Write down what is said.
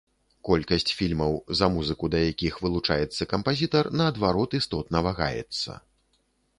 Колькасць фільмаў, за музыку да якіх вылучаецца кампазітар, наадварот істотна вагаецца.